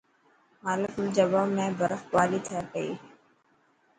مالم جبا ۾ برف باري ٿي پئي.